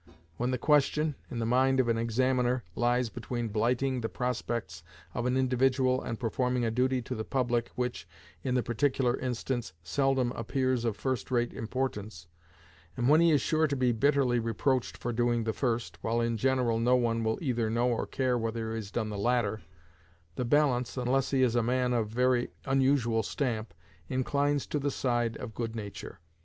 When the question, in the mind of an examiner, lies between blighting the prospects of an individual and performing a duty to the public which, in the particular instance, seldom appears of first rate importance, and when he is sure to be bitterly reproached for doing the first, while in general no one will either know or care whether he has done the latter, the balance, unless he is a man of very unusual stamp, inclines to the side of good nature.